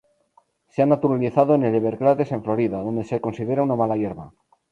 Se ha naturalizado en el Everglades en Florida, donde se considera una mala hierba.